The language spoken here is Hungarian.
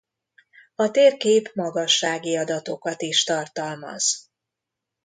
A térkép magassági adatokat is tartalmaz.